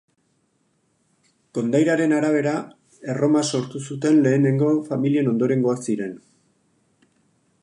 Kondairaren arabera, Erroma sortu zuten lehenengo familien ondorengoak ziren.